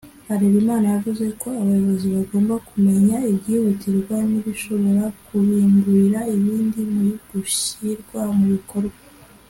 Harelimana yavuze ko abayobozi bagomba kumenya ibyihutirwa n’ibishobora kubimburira ibindi mu gushyirwa mu bikorwa